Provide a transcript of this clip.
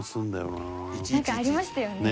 なんかありましたよね。